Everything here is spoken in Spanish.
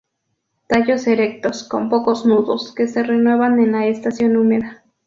Tallos erectos, con pocos nudos; que se renuevan en la estación húmeda.